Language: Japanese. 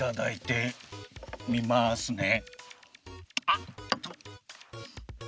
あっと。